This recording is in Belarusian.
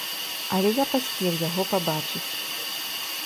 Але я паспеў яго пабачыць.